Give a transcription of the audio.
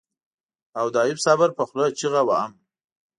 او د ايوب صابر په خوله چيغه وهم.